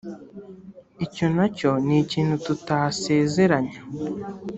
icyo nacyo ni ikintu tutasezeranya